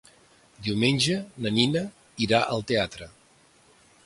Diumenge na Nina irà al teatre.